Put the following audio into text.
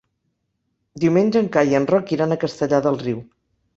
Diumenge en Cai i en Roc iran a Castellar del Riu.